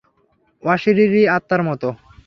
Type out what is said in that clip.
অশীরিরী আত্মার মতো।